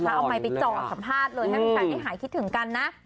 แล้วเอาใหม่ไปจอสัมภาษณ์เลยให้คุณแข็งได้หายคิดถึงกันนะ